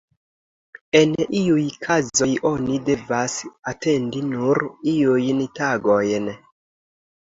En iuj kazoj oni devas atendi nur iujn tagojn.